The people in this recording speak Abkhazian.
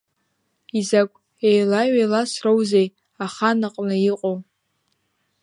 Изакә еилаҩеиласроузеи ахан аҟны иҟоу?